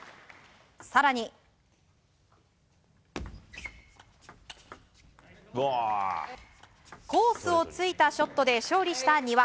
更に、コースをついたショットで勝利した丹羽。